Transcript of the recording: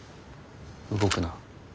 動くな。